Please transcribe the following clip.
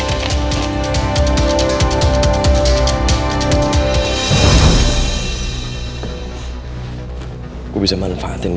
aku mau pergi